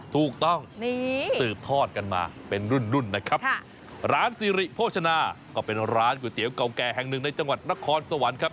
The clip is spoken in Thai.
ถูกต้องสืบทอดกันมาเป็นรุ่นรุ่นนะครับร้านสิริโภชนาก็เป็นร้านก๋วยเตี๋ยวเก่าแก่แห่งหนึ่งในจังหวัดนครสวรรค์ครับ